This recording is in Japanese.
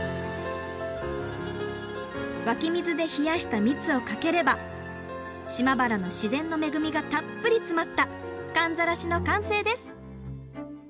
湧き水で冷やした蜜をかければ島原の自然の恵みがたっぷり詰まったかんざらしの完成です！